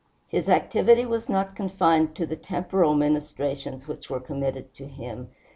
His activity was not confined to the temporal ministrations which were committed to him.